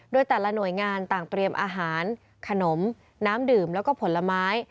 โดยแต่ละหน่วยงานต่างเตรียมอาหารขนมน้ำดื่มแล้วก็ผลไม้